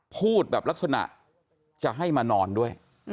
พูดแบบลักษณะจะให้มานอนด้วย